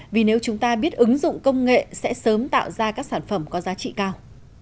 vì nếu chúng ta biết ứng dụng công nghệ sẽ sớm tạo ra các sản phẩm có giá trị cao